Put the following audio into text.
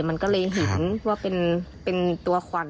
มันก็เลยเห็นว่าเป็นตัวควัน